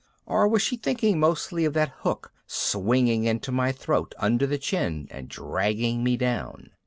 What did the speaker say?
Or was she thinking mostly of that hook swinging into my throat under the chin and dragging me down?